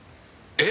えっ。